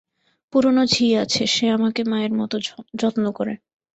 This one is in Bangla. পুরানো ঝি আছে, সে আমাকে মায়ের মতো যত্ন করে।